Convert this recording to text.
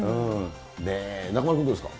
中丸君、どうですか。